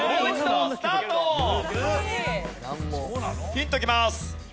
ヒントきます。